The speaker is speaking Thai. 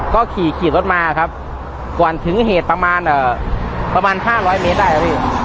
ก็ขี่รถมาก่อนถึงเหตุประมาณ๕๐๐เมตร